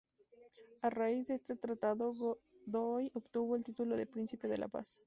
A raíz de este tratado Godoy obtuvo el título de Príncipe de la Paz.